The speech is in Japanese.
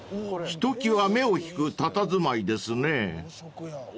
［ひときわ目を引くたたずまいですね］